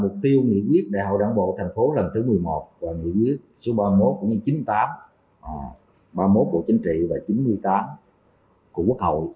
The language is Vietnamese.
mục tiêu nghị quyết đại hội đảng bộ thành phố lần thứ một mươi một và nghị quyết số ba mươi một cũng như chín mươi tám ba mươi một của chính trị và chín mươi tám của quốc hội